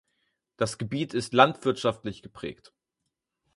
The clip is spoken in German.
Das Gebiet ist landwirtschaftlich geprägt.